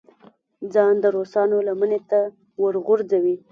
ځان د روسانو لمنې ته وغورځوي.